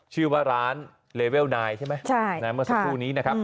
ชื่อว่าร้านเลเวลนายใช่ไหมเมื่อสักครู่นี้นะครับ